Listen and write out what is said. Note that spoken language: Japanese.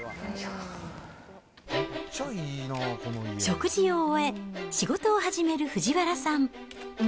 食事を終え、仕事を始める藤原さん。